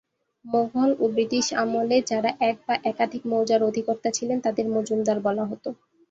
মোঘল ও ব্রিটিশ আমলে যারা এক বা একাধিক মৌজার অধিকর্তা ছিলেন তাদের মজুমদার বলা হতো।